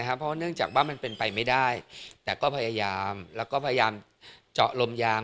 เพราะเนื่องจากว่ามันเป็นไปไม่ได้แต่ก็พยายามแล้วก็พยายามเจาะลมยาง